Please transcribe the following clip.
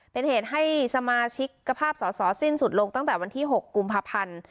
เป็นเหตุให้สมาชิกภาพสอสอสิ้นสุดลงตั้งแต่วันที่๖กุมภาพันธ์